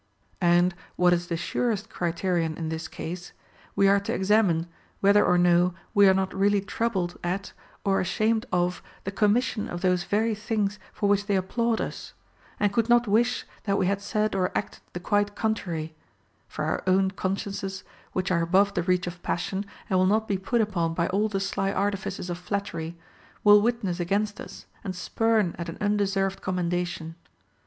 And, what is the surest criterion in this case, we are to examine whether or no we are not really troubled at or ashamed of the commission of those very things for which they applaud us, and could not wish that we had said or acted the quite contrary ; for our own consciences, which are above the reach of passion and will not be put upon by all the sly artifices of flattery, will witness against us and spurn at an undeserved com mendation.